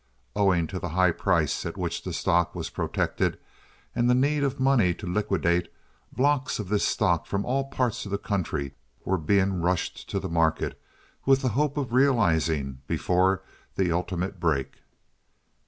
Owing to the high price at which the stock was "protected," and the need of money to liquidate, blocks of this stock from all parts of the country were being rushed to the market with the hope of realizing before the ultimate break.